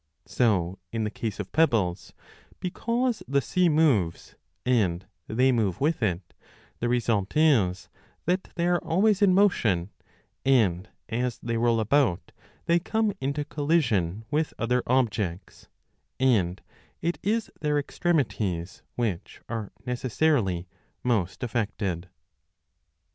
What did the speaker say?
So in the 853 a case of pebbles, because the sea moves and they move with it, the result is that they are always in motion, and, as they roll about, they come into collision with other objects ; and it is their extremities which are necessarily most affected.